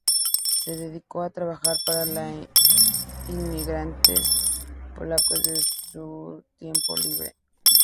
Se dedicó a trabajar para los inmigrantes polacos en su tiempo libre.